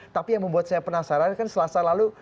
tapi yang membuat saya penasaran kan selasa lalu